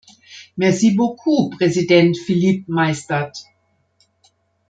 Merci beaucoup, Präsident Philippe Maystadt.